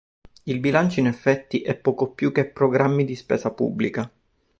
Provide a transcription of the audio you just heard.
Il bilancio, in effetti, è poco più che programmi di spesa pubblica.